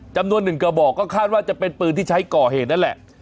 จำนวนหนึ่งกระบอกก็คาดว่าจะเป็นปืนที่ใช้ก่อเหตุนั่นแหละ